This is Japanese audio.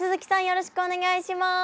よろしくお願いします。